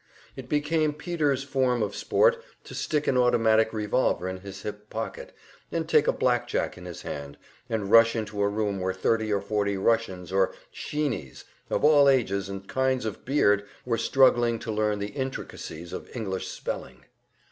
It became Peter's, form of sport to stick an automatic revolver in his hip pocket, and take a blackjack in his hand, and rush into a room where thirty or forty Russians or "Sheenies" of all ages and lengths of beard were struggling to learn the intricacies of English spelling.